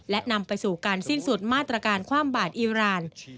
และนำไปสู่การสิ้นสุดมาตรการความบาดอิราณ